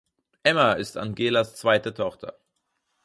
Emma ist Angelas zweite Tochter.